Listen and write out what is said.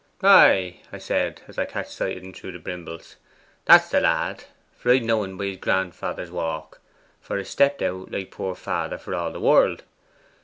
'"Ay," I said, as I catched sight o' en through the brimbles, "that's the lad, for I d' know en by his grand father's walk;" for 'a stapped out like poor father for all the world.